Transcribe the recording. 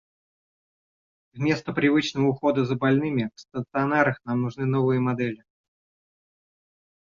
Вместо привычного ухода за больными в стационарах нам нужны новые модели.